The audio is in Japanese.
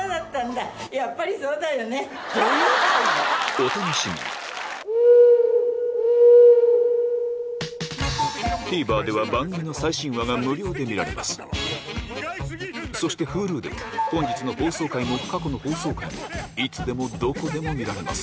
お楽しみにＴＶｅｒでは番組の最新話が無料で見られますそしてＨｕｌｕでは本日の放送回も過去の放送回もいつでもどこでも見られます